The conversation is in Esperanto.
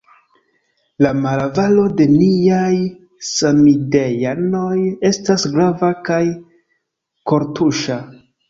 la malavaro de niaj samideanoj estas grava kaj kortuŝa.